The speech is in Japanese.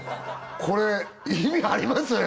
これ意味あります？